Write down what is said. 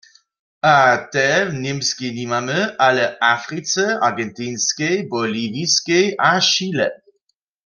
A te w Němskej nimamy, ale w Africe, Argentinskej, Boliwiskej a Chile.